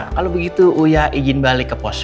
kalau begitu uia izin balik ke pos bu